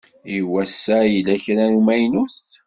I wass-a yella kra n umaynut